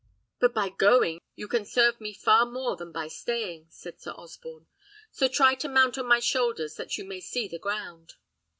"But by going you can serve me far more than by staying," said Sir Osborne; "so try to mount on my shoulders that you may see the ground."